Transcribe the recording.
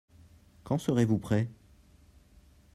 Quand serez-vous prêt ?